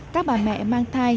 các bà mẹ mang thai